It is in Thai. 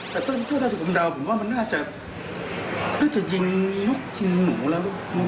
แต่ตอนที่ผมดาวน์ผมว่ามันน่าจะยิงนกยิงหนูแล้ว